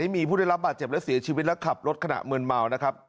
มีผู้ได้รับบาดเจ็บและเสียชีวิตและขับรถขณะมืนเมานะครับ